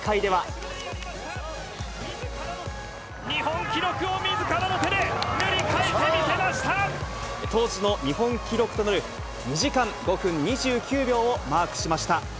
日本記録をみずからの手で塗当時の日本記録となる、２時間５分２９秒をマークしました。